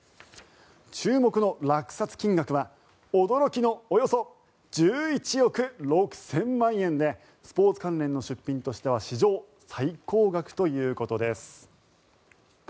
注目の落札金額は驚きのおよそ１１億６０００万円でスポーツ関連の出品としては史上最高額ということです。